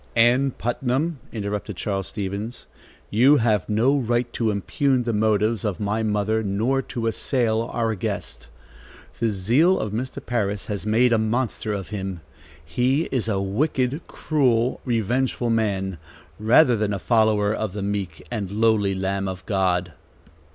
"Ann Putnam," interrupted Charles Stevens, "you have no right to impugn the motives of my mother, nor to assail our guest. The zeal of Mr. Parris has made a monster of him. He is a wicked, cruel, revengeful man, rather than a follower of the meek and lowly Lamb of God."